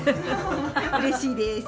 うれしいです。